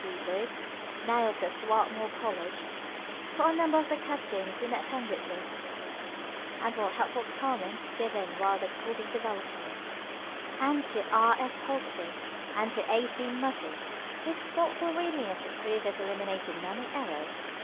C. Brooks, now of Swarthmore College, for a number of the questions in the appended list, and for helpful comments given while the course was developing; and to R. F. Hoxie and to A. C. Muhse, whose thoughtful reading of the proof has eliminated many errors.